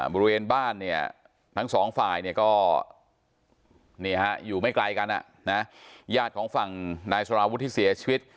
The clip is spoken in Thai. บริเวณบ้านทั้ง๒ฝ่ายก็อยู่ไม่ไกลกันญาติของฝั่งนายสลาวุธที่เสียชีวิต